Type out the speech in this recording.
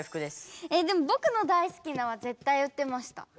でも「ぼくの大好きな」はぜったい言ってました。